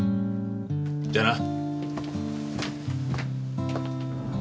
じゃあな。